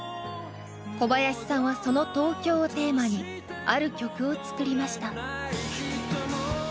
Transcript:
小林さんはその東京をテーマにある曲を作りました。